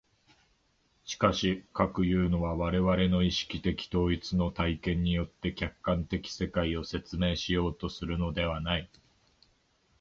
しかし、かくいうのは我々の意識的統一の体験によって客観的世界を説明しようとするのではない。